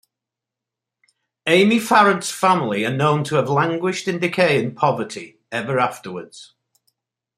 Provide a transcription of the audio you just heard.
Amy Farrant's family are known to have languished in decay and poverty ever afterwards.